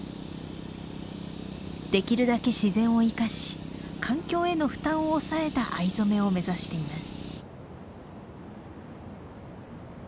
できるだけ自然を生かし環境への負担を抑えた藍染めを目指しています。